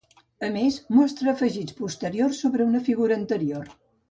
A més, mostra afegits posteriors sobre una figura anterior.